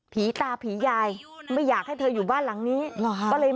ผีตาผียายไม่อยากให้เธออยู่บ้านหลังนี้หรอฮะก็เลย